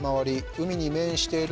海に面してる。